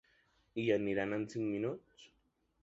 Hi arriben en cinc minuts.